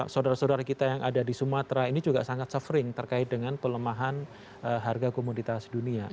saudara saudara kita yang ada di sumatera ini juga sangat suffering terkait dengan pelemahan harga komoditas dunia